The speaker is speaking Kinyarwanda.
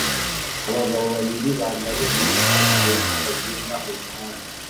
Abagabo babiri bambaye imyenda yubururu bagenda mumuhanda